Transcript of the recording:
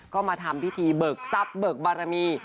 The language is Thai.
ก็มาทำพิธีเบิกทรัพย์เบิกบารมี